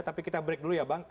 tapi kita break dulu ya bang